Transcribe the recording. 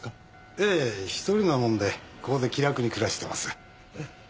ええ一人なもんでここで気楽に暮らしてます。